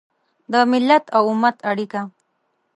د ملت او امت اړیکه